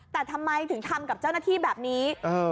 แต่ทำไมถึงทำกับเจ้าหน้าที่แบบนี้